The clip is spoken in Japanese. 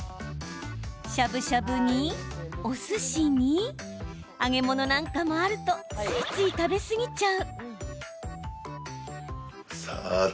しゃぶしゃぶに、おすしに揚げ物なんかもあるとついつい食べ過ぎちゃう。